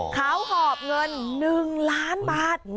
เขาหอบเงิน๑ล้านบาท